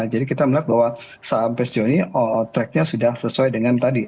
jadi kita melihat bahwa saham pesce ini tracknya sudah sesuai dengan tadi